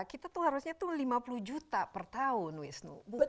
kita tuh harusnya tuh lima puluh juta per tahun wisnu